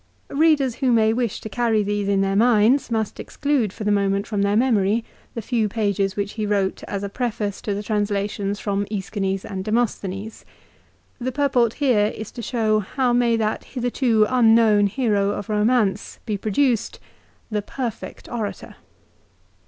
Eeaders who may wish to carry these in their minds, must exclude for the moment from their memory the few pages which he wrote as a preface to the translations from ./Eschines and Demosthenes. The purport is to show how may that hitherto unknown hero of romance be produced, the perfect orator.